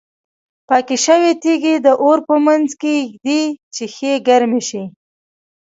پاکې شوې تیږې د اور په منځ کې ږدي چې ښې ګرمې شي.